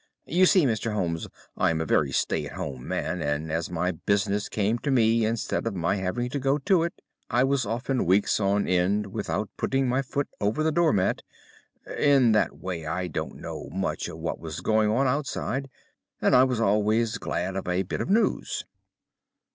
You see, Mr. Holmes, I am a very stay at home man, and as my business came to me instead of my having to go to it, I was often weeks on end without putting my foot over the door mat. In that way I didn't know much of what was going on outside, and I was always glad of a bit of news.